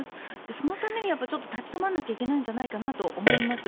そのために立ち止まらないといけないんじゃないかなと思います。